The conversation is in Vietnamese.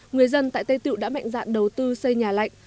người dân tại tây tiệu đã mạnh dạng đầu tư xây nhà lạnh